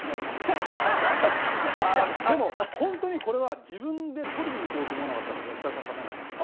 いやでもホントにこれは自分で取りに行こうと思わなかったら絶対勝てないと思う。